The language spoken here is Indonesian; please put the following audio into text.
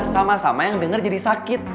sama sama yang denger jadi sakit